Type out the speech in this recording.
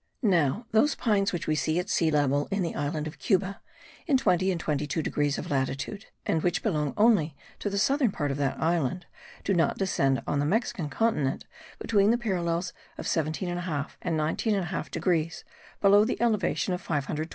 Now those pines which we see at sea level in the island of Cuba, in 20 and 22 degrees of latitude, and which belong only to the southern part of that island, do not descend on the Mexican continent between the parallels of 17 1/2 and 19 1/2 degrees, below the elevation of 500 toises.